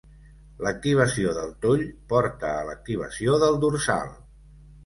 L'activació del toll porta a l'activació del dorsal.